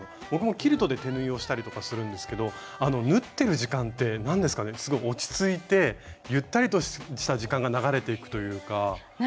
僕もキルトで手縫いをしたりとかするんですけどあの縫ってる時間って何ですかねすごい落ち着いてゆったりとした時間が流れていくというか。